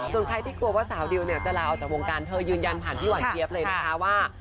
คนที่กลัวว่าสาวดิวจะลาออกจากวงการเธอยืนยันผ่านที่หวันเชียบเลยนะครับ